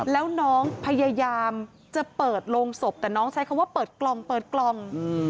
แล้วน้องพยายามจะเปิดโรงศพแต่น้องใช้คำว่าเปิดกล่องเปิดกล่อง